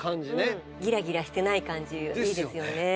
ギラギラしてない感じいいですよね。